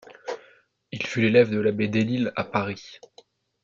Il fut l'élève de l'abbé Delille à Paris.